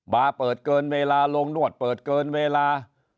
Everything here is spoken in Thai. บาร์เปิดเกินเวลาลงนวดเปิดเกินเวลา